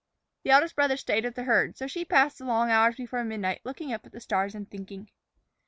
The eldest brother stayed with the herd, so she passed the long hours before midnight looking up at the stars and thinking.